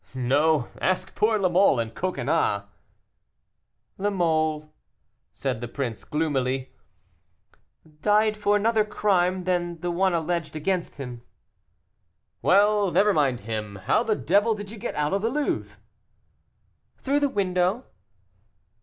"No; ask poor La Mole and Coconnas." "La Mole," said the prince, gloomily, "died for another crime than the one alleged against him." "Well, never mind him. How the devil did you get out of the Louvre?" "Through the window."